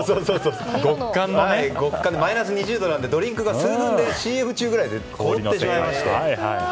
マイナス２０度なのでドリンクが数分でＣＭ中くらいで凍ってしまいまして。